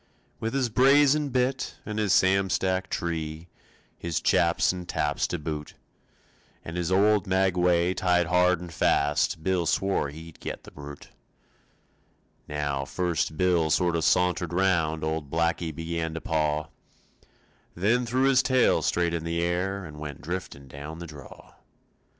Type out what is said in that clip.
With his brazen bit and his Sam Stack tree His chaps and taps to boot, And his old maguey tied hard and fast, Bill swore he'd get the brute. Now, first Bill sort of sauntered round Old Blackie began to paw, Then threw his tail straight in the air And went driftin' down the draw.